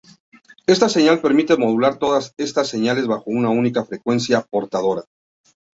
Esta señal permite modular todas estas señales bajo una única frecuencia portadora.